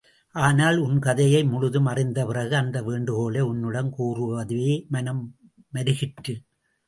ஆனால், உன் கதையை முழுதும் அறிந்த பிறகு, அந்த வேண்டுகோளை உன்னிடம் கூறவே மனம் மருகிற்று.